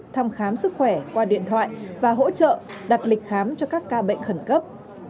thăm khám sức khỏe qua điện thoại và hỗ trợ đặt lịch khám cho các ca bệnh khẩn cấp